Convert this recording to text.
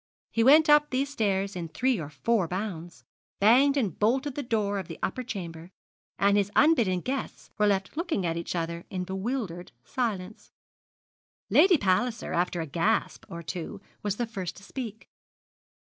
He went up these stairs in three or four bounds, banged and bolted the door of the upper chamber; and his unbidden guests were left looking at each other in bewildered silence. Lady Palliser, after a gasp or two, was the first to speak.